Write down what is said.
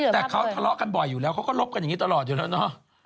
แต่เขาทะเลาะกันบ่อยอยู่แล้วเขาก็รบกันอย่างนี้ตลอดอยู่แล้วเนอะ